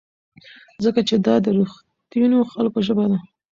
ځکه چې دا د رښتینو خلکو ژبه ده.